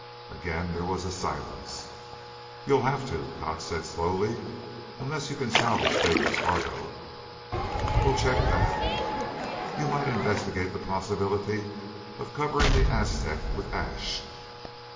Again there was a silence. "You'll have to," Gotch said slowly, "unless you can salvage Baker's cargo." "We'll check that." "You might investigate the possibility of covering the Aztec with ash."